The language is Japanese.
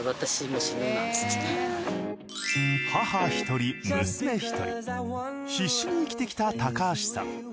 母１人娘１人必死に生きてきた高橋さん。